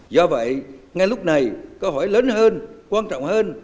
do vậy ngay lúc này câu hỏi lớn hơn quan trọng hơn